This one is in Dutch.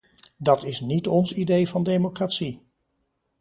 Dat is niet ons idee van democratie.